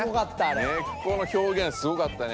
「ねっこ」の表現すごかったね。